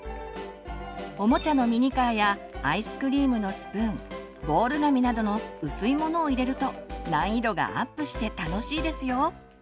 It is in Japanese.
おもちゃのミニカーやアイスクリームのスプーンボール紙などの薄いものを入れると難易度がアップして楽しいですよ。